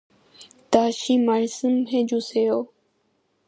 다시 말씀해 주세요